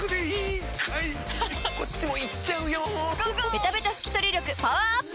ベタベタ拭き取り力パワーアップ！